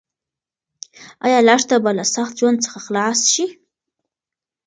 ایا لښته به له سخت ژوند څخه خلاص شي؟